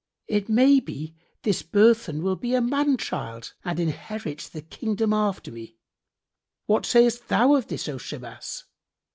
It may be this burthen will be a man child and inherit the Kingship after me; what sayest thou of this, O Shimas?"